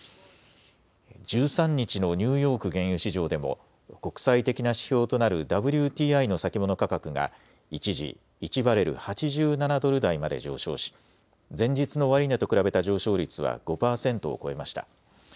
１３日のニューヨーク原油市場でも国際的な指標となるＷＴＩの先物価格が一時１バレル８７ドル台まで上昇し前日の終値と比べた上昇率は５％を超えました。